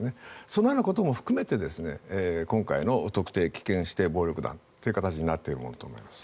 そのようなことも含めて今回の特定危険指定暴力団となっていると思います。